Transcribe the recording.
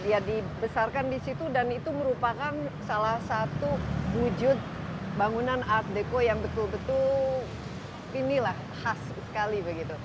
ya di besarkan di situ dan itu merupakan salah satu wujud bangunan art deko yang betul betul ini lah khas sekali begitu